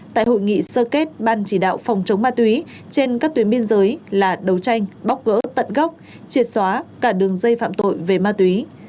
tại hội nghị sơ kết ban chỉ đạo phòng chống ma túy trên các tuyến biên giới là đấu tranh bóc gỡ tận gốc triệt xóa cả đường dây phạm tội về ma túy